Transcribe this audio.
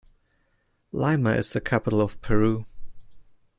Lima is the capital of Peru.